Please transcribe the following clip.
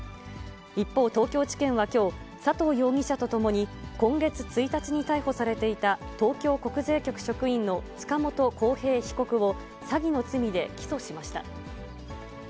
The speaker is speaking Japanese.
一方、東京地検はきょう、佐藤容疑者と共に、今月１日に逮捕されていた、東京国税局職員の塚本晃平被告を詐欺の罪で起訴しました。